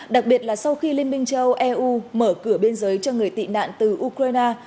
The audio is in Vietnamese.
đặc biệt là sau khi liên minh châu âu eu mở cửa biên giới cho người tị nạn từ ukraine